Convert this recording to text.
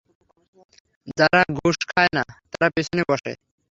যারা ঘুষ খায় না তারা পিছনে বসে।